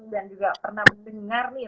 dan juga pernah dengar nih